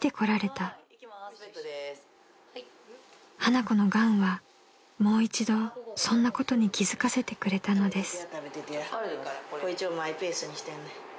［花子のがんはもう一度そんなことに気付かせてくれたのです］